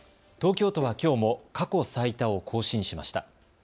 東京都はきょうも過去最多を更新しました。